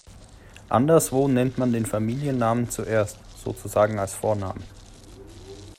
Anderswo nennt man den Familiennamen zuerst, sozusagen als Vornamen.